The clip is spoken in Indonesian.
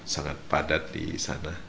sangat padat di sana